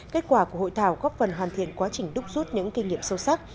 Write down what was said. kết quả của hội thảo góp phần hoàn thiện quá trình đúc rút những kinh nghiệm sâu sắc